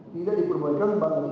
tidak diperbolehkan bangun imb ya